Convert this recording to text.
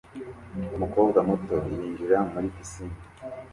Umukobwa muto yinjira muri pisine